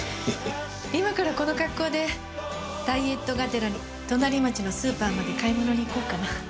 今からこの格好でダイエットがてらに隣町のスーパーまで買い物に行こうかな。